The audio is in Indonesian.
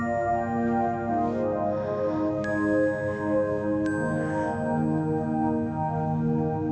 dede juga udah mulai